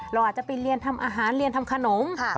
เราอาจจะไปเรียนทำอาหารเรียนทำขนม